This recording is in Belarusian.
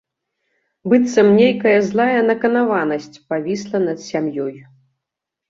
Быццам нейкая злая наканаванасць павісла над сям'ёй.